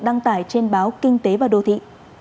đăng tải trên báo kinh tế và đô thị